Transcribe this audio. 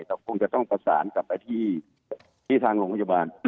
คงจะต้องประสานกลับไปที่ทางโรงพยาบาล